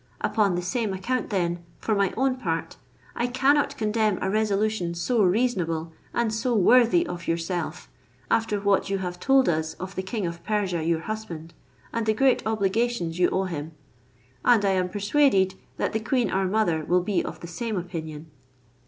Upon the same account then, for my own part, I cannot condemn a resolution so reasonable and so worthy of yourself, after what you have told us of the king of Persia your husband, and the great obligations you owe him; and I am persuaded that the queen our mother will be of the same opinion."